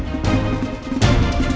jangan jangan jangan jangan